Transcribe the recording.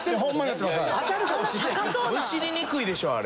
むしりにくいでしょあれ。